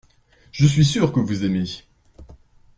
Je suis sûr que vous aimez.